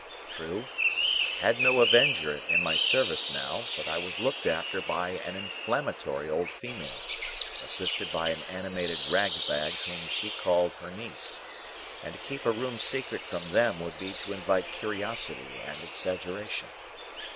True, I had no Avenger in my service now, but I was looked after by an inflammatory old female, assisted by an animated rag bag whom she called her niece, and to keep a room secret from them would be to invite curiosity and exaggeration.